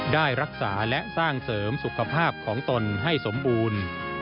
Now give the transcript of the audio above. ได้รักษาและสร้างเสริมสุขภาพของตนให้สมบูรณ์